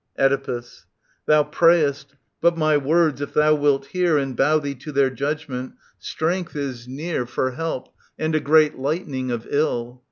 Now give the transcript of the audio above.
Oedipus. Thou prayest : but my words if tho'i wilt hear And bow thee to their judgement, strength is near 13 SOPHOCLES TT. 218 245 For help, and a great lightening of ill.